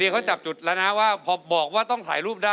เขาจับจุดแล้วนะว่าพอบอกว่าต้องถ่ายรูปได้